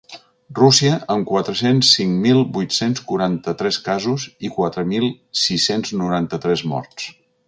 Rússia, amb quatre-cents cinc mil vuit-cents quaranta-tres casos i quatre mil sis-cents noranta-tres morts.